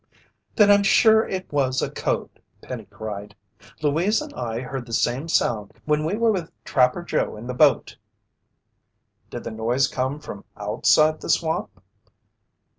"Then I'm sure it was a code!" Penny cried. "Louise and I heard the same sound when we were with Trapper Joe in the boat!" "Did the noise come from outside the swamp?"